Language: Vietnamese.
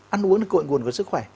ăn uống là cội nguồn của sức khỏe